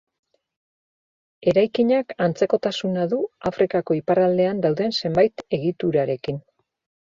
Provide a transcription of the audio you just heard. Eraikinak antzekotasuna du Afrikako iparraldean dauden zenbait egiturarekin.